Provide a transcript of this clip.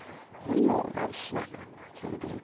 "We all know Snapper," said the dean.